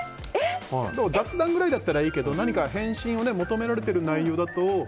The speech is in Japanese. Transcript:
雑談ぐらいだったらいいけど何か返信を求められている内容だと。